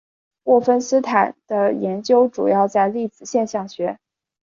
沃芬斯坦的研究主要在粒子现象学。